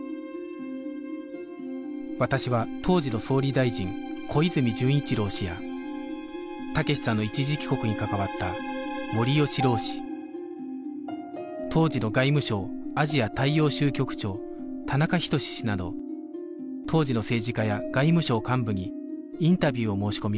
私は当時の総理大臣小泉純一郎氏や武志さんの一時帰国に関わった森喜朗氏当時の外務省アジア大洋州局長田中均氏など当時の政治家や外務省幹部にインタビューを申し込みました